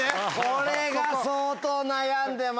これが相当悩んでました。